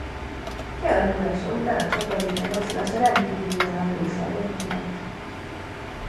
Kialakulása után a csapadék eloszlása rendkívüli állandóságot mutat.